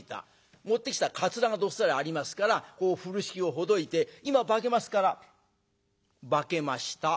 持ってきたカツラがどっさりありますから風呂敷をほどいて「今化けますから。化けました」。